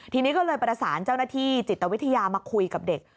ทีนี้ก็เลยประสานเจ้าหน้าที่จิตวิทยามาคุยกับเด็ก